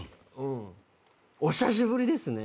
お久しぶりですね。